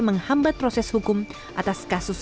menghambat proses hukum atas kasus